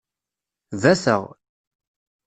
Bateɣ.